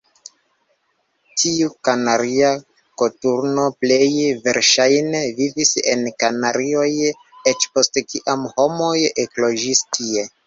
Tiu Kanaria koturno plej verŝajne vivis en Kanarioj eĉ post kiam homoj ekloĝis tie.